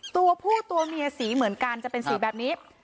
ตัวผู้ตัวเมียสีเหมือนกันจะเป็นสีแบบนี้